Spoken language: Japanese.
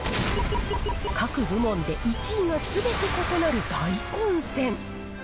各部門で１位がすべて異なる大混戦。